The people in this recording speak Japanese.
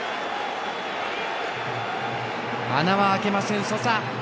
穴はあけません、ソサ。